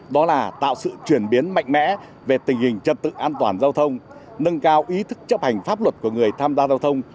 đó là tạo sự chuyển biến mạnh mẽ về tình hình trật tự an toàn giao thông nâng cao ý thức chấp hành pháp luật của người tham gia giao thông